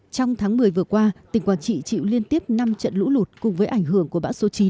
trong tháng một mươi vừa qua tỉnh quảng trị chịu liên tiếp năm trận lũ lụt cùng với ảnh hưởng của bão số chín